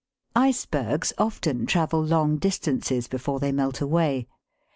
Icebergs often travel long distances before they melt away.